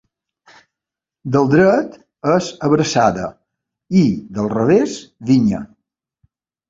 Del dret és abraçada i del revés vinya.